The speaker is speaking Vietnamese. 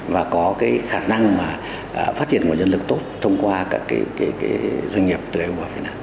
và có khả năng phát triển một nhân lực tốt thông qua các doanh nghiệp từ eu vào việt nam